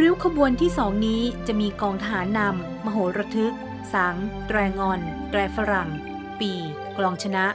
ริ้วขบวนที่๒นี้จะมีกองทหารนำมโหระทึกสังแรงอนแรฝรั่งปีกลองชนะ